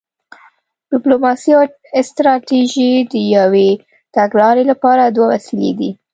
ډیپلوماسي او ستراتیژي د یوې تګلارې لپاره دوه وسیلې دي